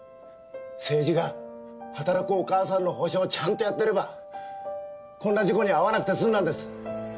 政治が働くお母さんの保障をちゃんとやってればこんな事故には遭わなくて済んだんです。